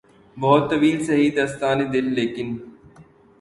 بہت طویل سہی داستانِ دل ، لیکن